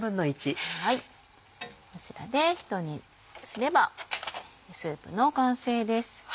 こちらでひと煮すればスープの完成です。